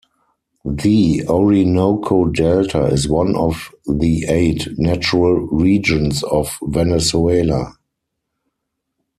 The Orinoco Delta is one of the eight natural regions of Venezuela.